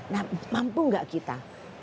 nah mampu gak kita